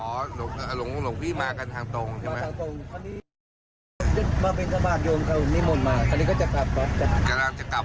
โอ้เดี๋ยวลงพี่มากันทางตรงใช่ไหม